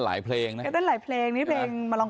มันลงมาแน่นมักมันลงคล่องแป่ง